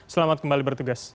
selamat kembali bertugas